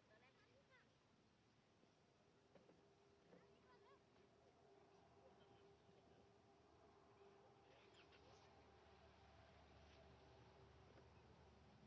สวัสดีครับ